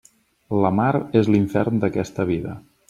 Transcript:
La mar és l'infern d'aquesta vida.